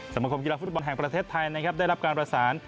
สมคมกีฬาฟุตบอลแห่งประเทศไทยนะครับได้รับการประสาน